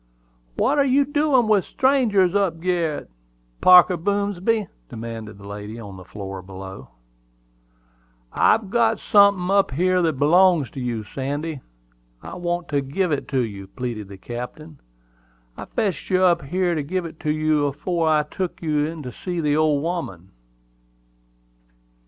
"What are you doin' with strangers up gerret, Parker Boomsby?" demanded the lady on the floor below. "I've got sunthin' up here that belongs to you, Sandy; I want to give it to you," pleaded the captain. "I fetched you up here to give it to you afore I took you in to see the old woman."